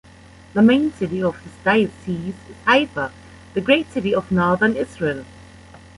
The main city of his diocese is Haifa, the great city of northern Israel.